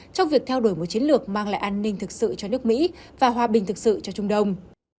trong việc theo đuổi một chiến lược mang lại an ninh thực sự cho nước mỹ và hòa bình thực sự cho trung đông